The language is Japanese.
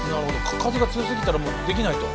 風が強すぎたらもうできないと。